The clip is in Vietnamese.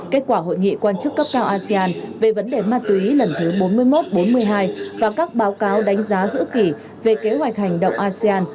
kết quả hội nghị quan chức cấp cao asean về vấn đề ma túy lần thứ bốn mươi một bốn mươi hai và các báo cáo đánh giá giữa kỳ về kế hoạch hành động asean